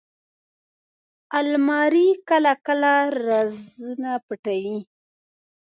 الماري کله کله رازونه پټوي